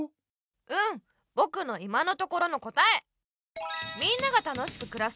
うんぼくの今のところの答え！